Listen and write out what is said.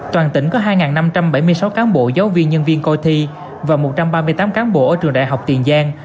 toàn tỉnh có hai năm trăm bảy mươi sáu cán bộ giáo viên nhân viên coi thi và một trăm ba mươi tám cán bộ ở trường đại học tiền giang